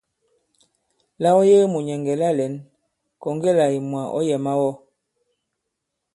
La ɔ yege mùnyɛ̀ŋgɛ̀ la lɛ̌n, kɔ̀ŋge là ìmwà ɔ̌ yɛ̀ mawɔ.